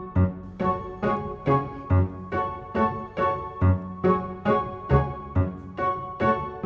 wih dasar cowok sombong nyebelin